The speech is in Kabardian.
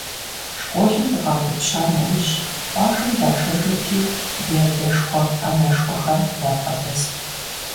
Школым дыкъаутӀыпща нэужь, къуажэм дашэжырти, ди адэшхуэ-анэшхуэм дабгъэдэст.